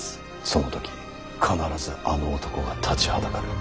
その時必ずあの男が立ちはだかる。